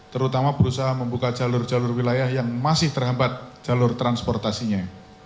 terutama berusaha membuka jalur jalur wilayah yang masih terhambat jalur transportasinya